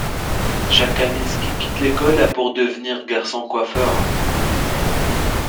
Jacques Kaminski quitte l'école à pour devenir garçon-coiffeur.